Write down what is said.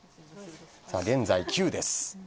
現在９です。